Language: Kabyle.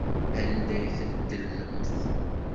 Anda ay ten-tellmemt?